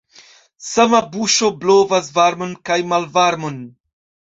Sama buŝo blovas varmon kaj malvarmon.